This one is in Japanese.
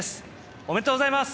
おめでとうございます。